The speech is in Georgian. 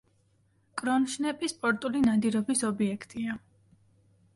კრონშნეპი სპორტული ნადირობის ობიექტია.